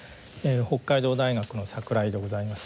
北海道大学の櫻井でございます。